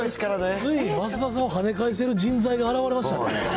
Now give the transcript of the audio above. ついに増田さんをはね返せる人材が現れましたね。